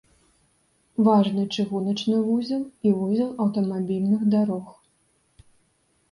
Важны чыгуначны вузел і вузел аўтамабільных дарог.